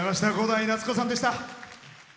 伍代夏子さんでした。